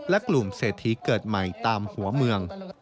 และกลุ่มเศรษฐีเกิดใหม่ตามหัวเมือง